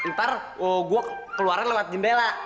ntar gue keluarin lewat jendela